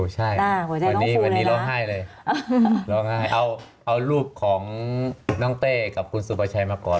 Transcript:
ใช่วันนี้ร้องไห้เลยเอารูปของน้องเต้กับคุณสุบัชัยมาก่อน